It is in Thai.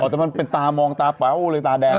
แต่มันเป็นตามองตาเป๋าเลยตาแดง